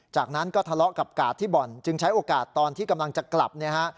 จากนั้นก็ทะเลาะกับกาดที่บ่อนจึงใช้โอกาสตอนที่กำลังจะกลับเนี่ยฮะ